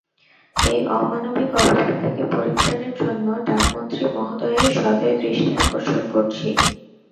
এই অমানবিক অবস্থা থেকে পরিত্রাণের জন্য ডাকমন্ত্রী মহোদয়ের সদয় দৃষ্টি আকর্ষণ করছি।